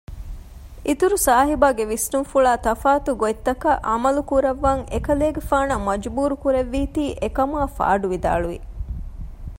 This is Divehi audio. އިތުރުސާހިބާގެ ވިސްނުންފުޅާ ތަފާތު ގޮތަކަށް ޢަމަލުކުރައްވަން އެކަލޭގެފާނަށް މަޖްބޫރު ކުރެއްވީތީ އެކަމާ ފަޑުވިދާޅުވި